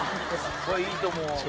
これいいと思う。